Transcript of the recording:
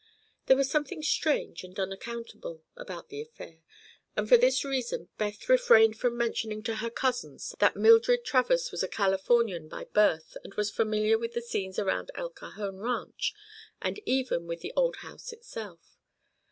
There was something strange and unaccountable about the affair, and for this reason Beth refrained from mentioning to her cousins that Mildred Travers was a Californian by birth and was familiar with the scenes around El Cajon ranch and even with the old house itself.